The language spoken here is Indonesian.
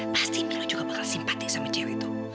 pasti milo juga bakal simpati sama cewek tuh